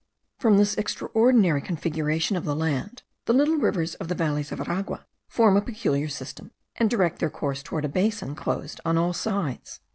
From this extraordinary configuration of the land, the little rivers of the valleys of Aragua form a peculiar system, and direct their course towards a basin closed on all sides.